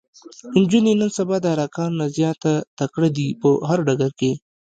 انجونې نن سبا د هلکانو نه زياته تکړه دي په هر ډګر کې